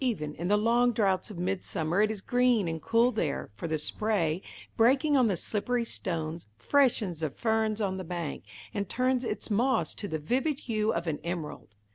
Even in the long droughts of midsummer it is green and cool there, for the spray, breaking on the slippery stones, freshens the ferns on the bank, and turns its moss to the vivid hue of an emerald.